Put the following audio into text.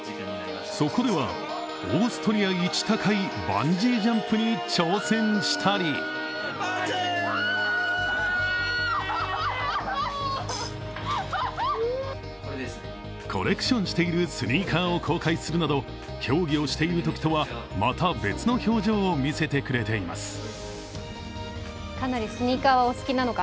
そこではオーストリア１高いバンジージャンプに挑戦したり、コレクションしているスニーカーを公開するなど競技をしているときとは、また別の表情を見せてくれています。